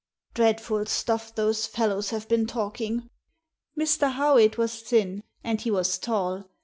" Dreadful stuff those fellows have been talking !" Mr. Howitt was thin and he was tall.